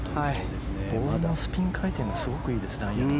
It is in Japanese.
ボールのスピン回転がすごくいいですね。